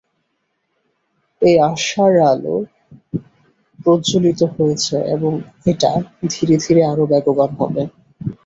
এই আশার আলো প্রজ্বলিত হয়েছে এবং এটা ধীরে ধীরে আরও বেগবান হবে।